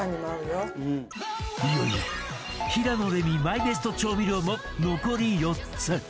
いよいよ平野レミマイベスト調味料も残り４つ